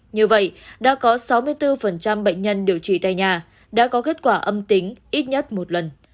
như vậy đã có sáu mươi bốn bệnh nhân điều trị tại nhà đã có kết quả âm tính ít nhất một lần